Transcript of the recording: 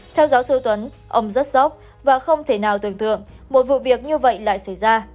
theo giáo sư tuấn ông rất sốc và không thể nào tưởng tượng một vụ việc như vậy lại xảy ra